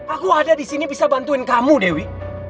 aku ada disini bisa bantuin kamu dewi